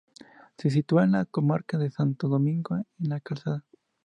Se sitúa en la comarca de Santo Domingo de la Calzada.